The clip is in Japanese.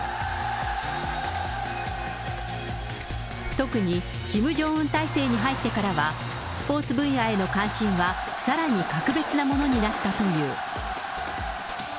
特に、キム・ジョンウン体制に入ってからは、スポーツ分野への関心はさらに格別なものになったという。